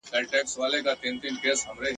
او محبت سره تر سره کېږي